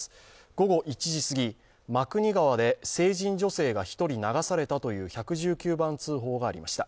午後１時すぎ、真国川で成人女性が１人流されたという１１９番通報がありました。